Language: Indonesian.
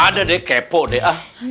ada deh kepo deh ah